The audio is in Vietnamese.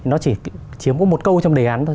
nó chỉ chiếm có một câu trong đề án thôi